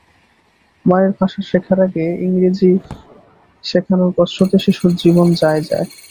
মায়ের ভাষা শেখার আগে ইংরেজি শেখানোর কসরতে শিশুর জীবন যায় যায়।